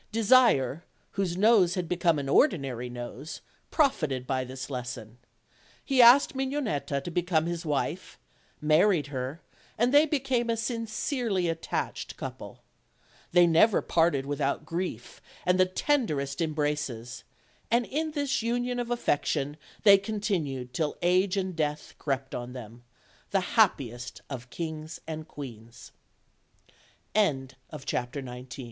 Desire, whose nose had become an ordinary nose, prof ited by this lesson. He asked Mignonetta to become his wife; married her, and they became a sincerely attached couple. They never parted without grief and the ten derest embraces; and in this union of affection they con tinued till age and death cre